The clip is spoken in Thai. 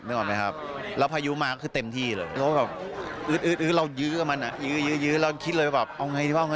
จนระบบมันพัง